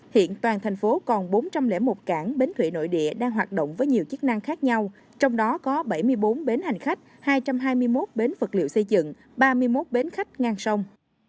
hiện toàn thành phố còn bốn trăm linh một cảng bến thủy nội địa đang hoạt động với nhiều chức năng khác nhau trong đó có bảy mươi bốn bến hành khách hai trăm hai mươi một bến vật liệu xây dựng ba mươi một bến khách ngang sông